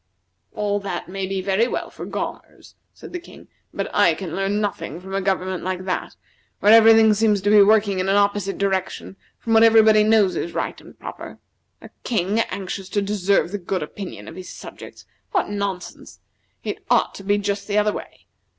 "All that may be very well for Gaumers," said the King, "but I can learn nothing from a government like that, where every thing seems to be working in an opposite direction from what everybody knows is right and proper. A king anxious to deserve the good opinion of his subjects! What nonsense! It ought to be just the other way.